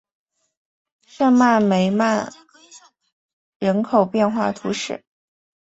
圣梅斯曼人口变化图示